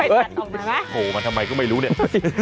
โอ้โหมันทำไมก็ไม่รู้เนี่ย